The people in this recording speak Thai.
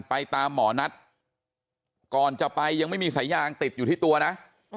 ไปตามหมอนัทก่อนจะไปยังไม่มีสายยางติดอยู่ที่ตัวนะ